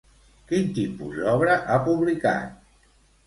Quin tipus d'obra ha publicat?